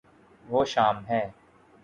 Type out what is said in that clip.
وہ شام ہے